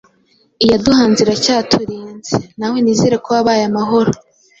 Iyaduhanze iracyaturinze! Nawe nizere ko wabaye amahoro